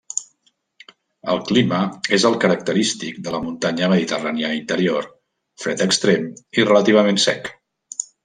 El clima és el característic de la muntanya mediterrània interior: fred extrem i relativament sec.